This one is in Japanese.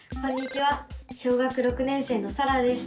小学６年生のさらです。